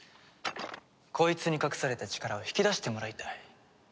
こいつに隠された力を引き出してもらいたい。